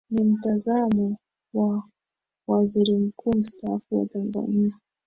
ni mtazamo wa waziri mkuu mustaafu wa tanzania